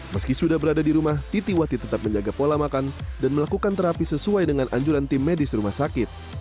meski sudah berada di rumah titi wati tetap menjaga pola makan dan melakukan terapi sesuai dengan anjuran tim medis rumah sakit